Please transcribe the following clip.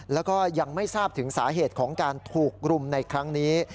แล้วก็ยังไม่ทราบถึงสาเหตุของการถูกรุมในครั้งนี้